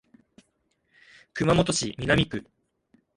熊本市南区